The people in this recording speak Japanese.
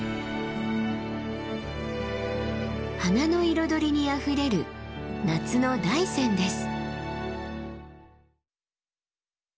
花の彩りにあふれる夏の大山です。